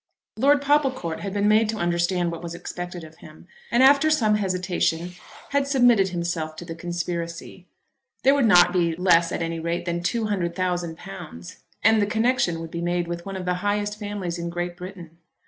Lord Popplecourt had been made to understand what was expected of him, and after some hesitation had submitted himself to the conspiracy. There would not be less at any rate than two hundred thousand pounds; and the connexion would be made with one of the highest families in Great Britain.